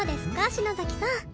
篠崎さん。